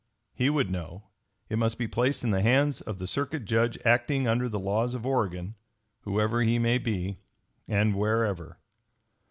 He would know. It must be placed in the hands of the Circuit Judge acting under, the laws of Oregon, whoever he may be, and wherever.